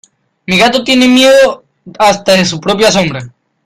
Mi gato tiene miedo hasta de su propia sombra.